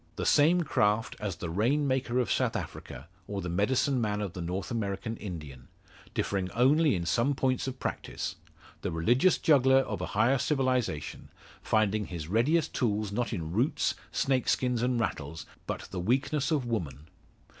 The same craft as the rain maker of South Africa, or the medicine man of the North American Indian; differing only in some points of practice; the religious juggler of a higher civilisation, finding his readiest tools not in roots, snake skins, and rattles, but the weakness of woman.